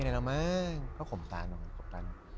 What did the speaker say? เสร็จก็คอมตาน